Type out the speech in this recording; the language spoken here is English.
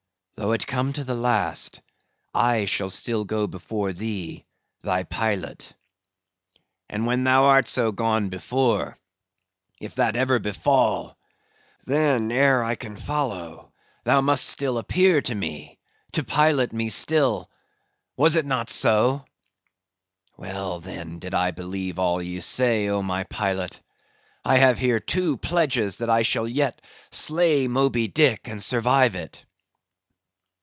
"Though it come to the last, I shall still go before thee thy pilot." "And when thou art so gone before—if that ever befall—then ere I can follow, thou must still appear to me, to pilot me still?—Was it not so? Well, then, did I believe all ye say, oh my pilot! I have here two pledges that I shall yet slay Moby Dick and survive it."